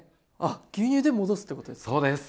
牛乳で戻すってことですか？